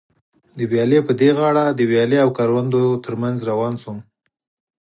د ویالې پر دې غاړه د ویالې او کروندو تر منځ روان شوم.